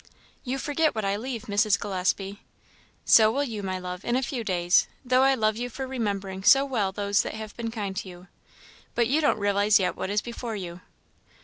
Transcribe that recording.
"You forget what I leave, Mrs. Gillespie." "So will you, my love, in a few days; though I love you for remembering so well those that have been kind to you. But you don't realize yet what is before you."